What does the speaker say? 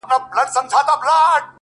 زموږ ملا صاحب هغه زړه سرُنا وايي _